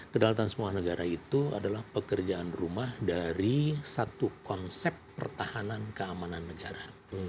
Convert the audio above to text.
kedaulatan sebuah negara itu adalah pekerjaan rumah dari satu konsep pertahanan keamanan negara